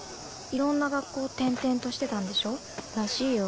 いろんな学校転々としてたんでしょ？らしいよ。